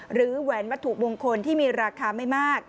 หรือแหวนมะถุมงคลที่มีราคาไม่มาก